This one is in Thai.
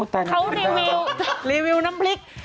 เขารีวิวน้ำพริก